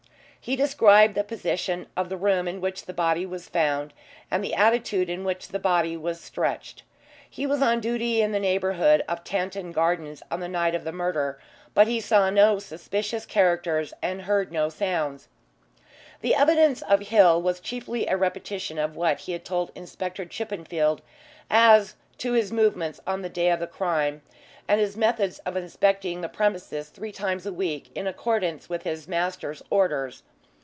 He described the position of the room in which the body was found, and the attitude in which the body was stretched. He was on duty in the neighbourhood of Tanton Gardens on the night of the murder, but saw no suspicious characters and heard no sounds. The evidence of Hill was chiefly a repetition of what he had told Inspector Chippenfield as to his movements on the day of the crime, and his methods of inspecting the premises three times a week in accordance with his master's orders.